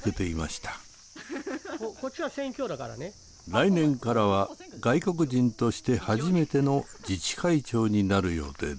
来年からは外国人として初めての自治会長になる予定です。